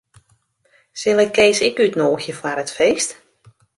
Sil ik Kees ek útnûgje foar it feest?